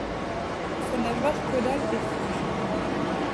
Sa nageoire caudale est fourchue.